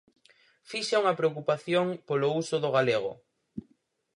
Fixa unha preocupación polo uso do galego.